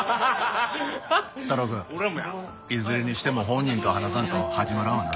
太郎くんいずれにしても本人と話さんと始まらんわな。